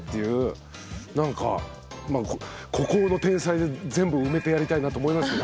なんか「孤高の天才」で全部埋めてやりたいなと思いますね